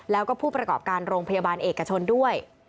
แล้วก็ผู้ประกอบการโรงพยาบาลเอกชนด้วย